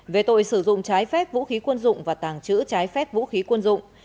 về tội sử dụng trái phép vũ khí quân dụng và tàng trữ trái phép vũ khí quân dụng